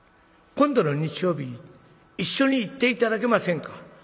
今度の日曜日一緒に行って頂けませんか？